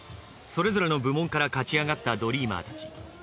それぞれの部門から勝ち上がったドリーマーたち。